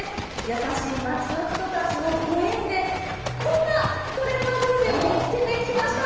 優しい町の人たちのご縁で、こんなコレうまグルメを見つけてきました。